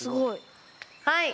はい。